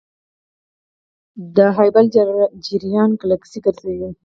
د هبل جریان ګلکسي ګرځوي.